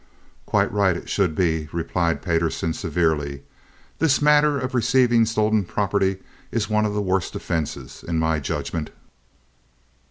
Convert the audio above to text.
"Quite right. It should be," replied Payderson, severely. "This matter of receiving stolen property is one of the worst offenses, in my judgment."